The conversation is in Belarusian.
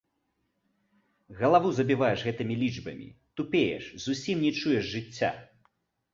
Галаву забіваеш гэтымі лічбамі, тупееш, зусім не чуеш жыцця.